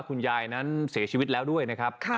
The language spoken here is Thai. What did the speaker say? คุณยายนั้นเสียชีวิตแล้วด้วยนะครับ